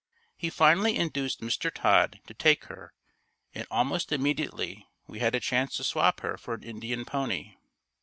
He finally induced Mr. Todd to take her and almost immediately, we had a chance to swap her for an Indian pony.